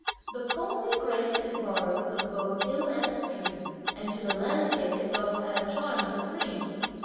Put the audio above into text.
The comely grace it borrows of both hill and stream; And to the landscape it doth add a charm supreme.